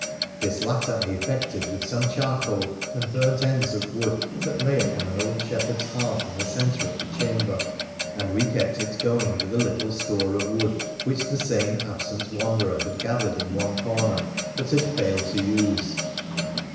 This latter I effected with some charcoal and burnt ends of wood that lay upon an old shepherd's hearth in the centre of the chamber, and we kept it going with a little store of wood which the same absent wanderer had gathered in one corner but had failed to use.